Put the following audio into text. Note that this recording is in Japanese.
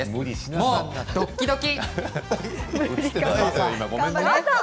もうドッキ土器。